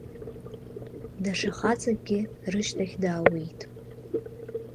Даҽа хаҵакгьы рышьҭахь дааиуеит.